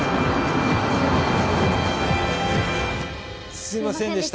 ・すいませんでした。